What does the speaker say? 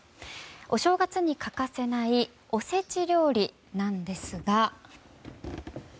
お正月に欠かせないおせち料理なんですが。